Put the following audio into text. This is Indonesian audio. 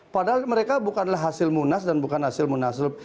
padahal mereka bukanlah hasil munas dan bukan hasil munaslub